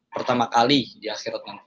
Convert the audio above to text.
pertama kali di akhirat